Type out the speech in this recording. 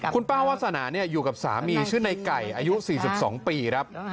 คุณป้าวาสนาอยู่กับสามีชื่อในไก่อายุ๔๒ปีครับ